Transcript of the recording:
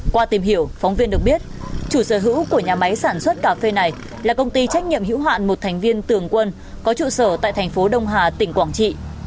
qua tìm hiểu phóng viên được biết chủ sở hữu của nhà máy sản xuất cà phê này là công ty trách nhiệm hữu hạn một thành viên tường quân có trụ sở tại thành phố đông hà tỉnh quảng trị